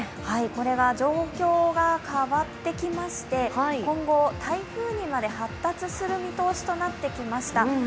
これが状況が変わってきまして今後、台風にまで発達する見通しとなってきました。